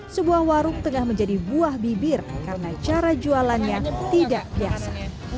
sebuah warung tengah menjadi buah bibir karena cara jualannya tidak biasa